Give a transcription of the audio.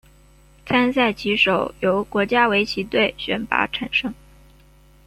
参赛棋手由国家围棋队选拔产生。